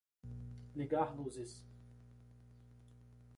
Ligar luzes.